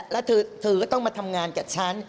แล้วเธอก็ต้องมาทำงานกับฉัน